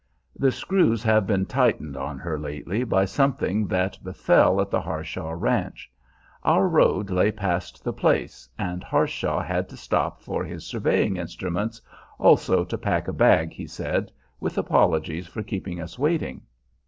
The screws have been tightened on her lately by something that befell at the Harshaw ranch. Our road lay past the place, and Harshaw had to stop for his surveying instruments, also to pack a bag, he said, with apologies for keeping us waiting.